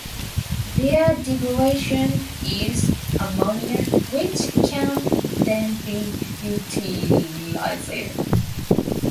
Their degradation yields ammonia, which can then be utilized.